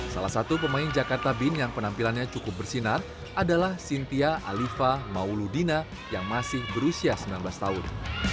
salah satu pemain jakarta bin yang penampilannya cukup bersinar adalah cynthia alifa mauludina yang masih berusia sembilan belas tahun